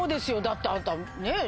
だってあなたねぇ？